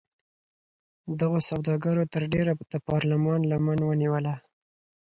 دغو سوداګرو تر ډېره د پارلمان لمن ونیوله.